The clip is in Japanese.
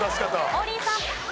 王林さん。